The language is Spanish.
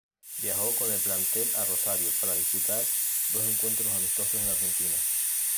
Viajó con el plantel a Rosario, para disputar dos encuentros amistoso en Argentina.